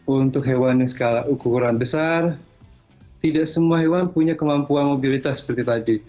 untuk hewan yang skala ukuran besar tidak semua hewan punya kemampuan mobilitas seperti tadi